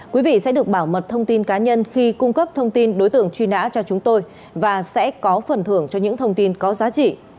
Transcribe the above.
quý vị sẽ được bảo mật thông tin cá nhân khi cung cấp thông tin đối tượng truy nã cho chúng tôi và sẽ có phần thưởng cho những thông tin có giá trị